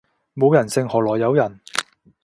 冇人性何來有人